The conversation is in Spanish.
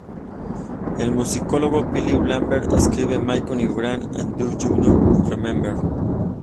El musicólogo Philip Lambert escribe: "Mike y Brian en 'Do You Remember?